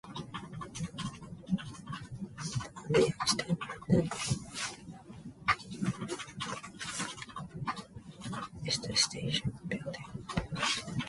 The only extant remnant is the station building from the junction in Taonui.